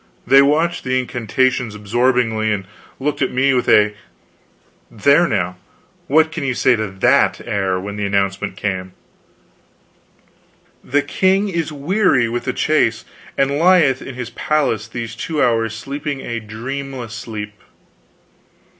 They watched the incantations absorbingly, and looked at me with a "There, now, what can you say to that?" air, when the announcement came: "The king is weary with the chase, and lieth in his palace these two hours sleeping a dreamless sleep."